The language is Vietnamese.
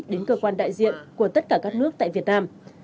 đến cơ quan đại diện của tất cả các nước tại việt nam